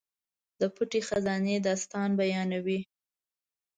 د پټې خزانې داستان بیانوي.